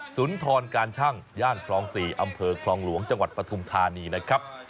สุนทรการชั่งย่านคลอง๔อำเภอคลองหลวงจังหวัดปฐุมธานีนะครับ